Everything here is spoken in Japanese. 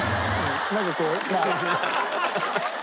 なんかこうまあ。